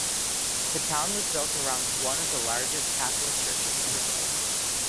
The town was built around one of the largest Catholic churches in Brazil.